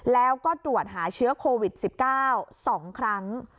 แล้วก็ตรวจหาเชื้อโควิด๑๙๒ครั้ง